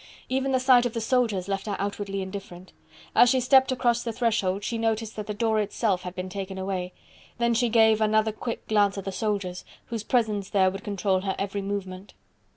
Even the sight of the soldiers left her outwardly indifferent. As she stepped across the threshold she noticed that the door itself had been taken away: then she gave another quick glance at the soldiers, whose presence there would control her every movement.